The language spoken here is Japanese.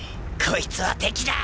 こいつは敵だ！